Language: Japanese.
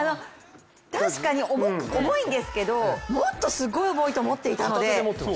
確かに重いんですけどもっとすごい重いと思っていたので。